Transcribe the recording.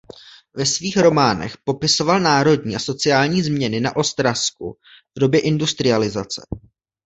Ve svých románech popisoval národní a sociální změny na Ostravsku v době industrializace.